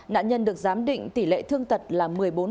nạn nhân được giám định tỷ lệ thương tật là một mươi bốn